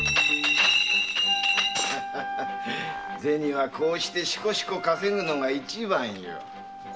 ゼニはこうしてシコシコ稼ぐのが一番よ。